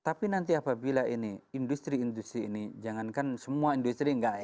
tapi nanti apabila ini industri industri ini jangankan semua industri enggak